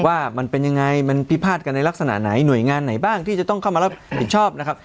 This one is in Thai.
ว่ามันเป็นยังไงมันพิพาทกันในลักษณะไหนหน่วยงานไหนบ้างที่จะต้องเข้ามารับผิดชอบนะครับ